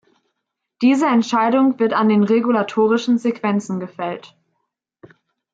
Diese Entscheidung wird an den regulatorischen Sequenzen gefällt.